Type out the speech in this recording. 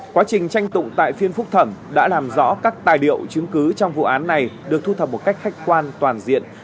quá trình tranh tụng tại phiên phúc thẩm đã làm rõ các tài liệu chứng cứ trong vụ án này được thu thập một cách khách quan toàn diện